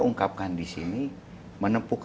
ungkapkan disini menepuk